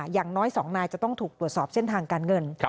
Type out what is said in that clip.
อย่างน้อย๒นายจะต้องถูกตรวจสอบเส้นทางการเงิน